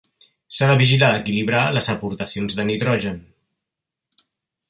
S'ha de vigilar d'equilibrar les aportacions de nitrogen.